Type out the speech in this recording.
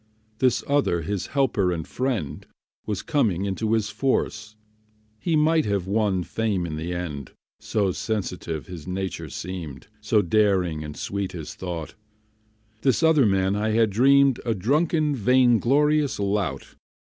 This other his helper and friend Was coming into his force; He might have won fame in the end, So sensitive his nature seemed, So daring and sweet his thought. This other man I had dreamed A drunken, vain glorious lout.